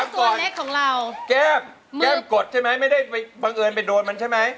เก้มแก้มกดใช่ไหมไม่ได้บังอื่นไปโดนมันใช่ไหม